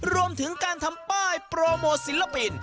รวมถึงการทำป้ายโปรโมทศิลปิน